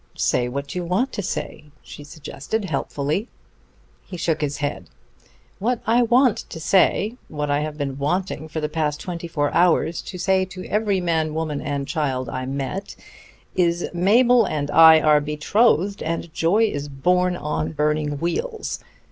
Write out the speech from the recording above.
"Say what you want to say," she suggested helpfully. He shook his head. "What I want to say what I have been wanting for the past twenty four hours to say to every man, woman, and child I met is 'Mabel and I are betrothed, and joy is borne on burning wheels.'